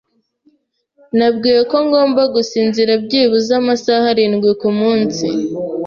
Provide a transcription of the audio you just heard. Nabwiwe ko ngomba gusinzira byibuze amasaha arindwi kumunsi.